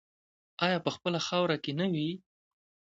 آیا په خپله خاوره کې نه وي؟